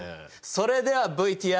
それではＶＴＲ。